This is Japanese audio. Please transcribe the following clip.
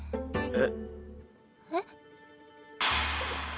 えっ？